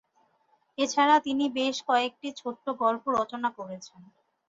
এছাড়াও তিনি বেশ কয়েকটি ছোটগল্প রচনা করেছেন।